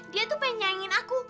dia tuh pengen nyangin aku